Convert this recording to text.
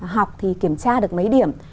học thì kiểm tra được mấy điểm